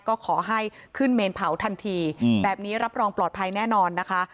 ก็ขอให้ขึ้นเมนเผาทันทีแบบนี้รับรองปลอดภัยแน่นอนนะคะ